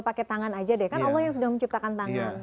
pakai tangan aja deh kan allah yang sudah menciptakan tangan